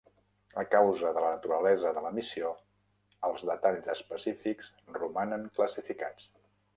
A causa de la naturalesa de la missió, els detalls específics romanen classificats.